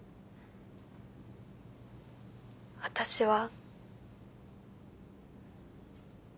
私は。